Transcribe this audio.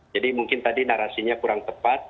jadi mungkin tadi narasinya kurang tepat